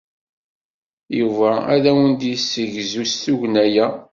Yuba ad awen-d-yessegzu s tugna-a.